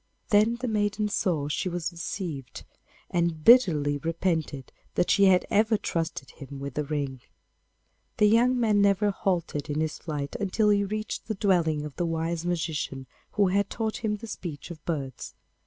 Then the maiden saw she was deceived, and bitterly repented that she had ever trusted him with the ring. The young man never halted in his flight until he reached the dwelling of the wise magician who had taught him the speech of birds.